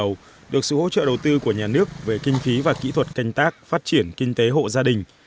tết năm nay bà con đều được sự hỗ trợ đầu tư của nhà nước về kinh phí và kỹ thuật canh tác phát triển kinh tế hộ gia đình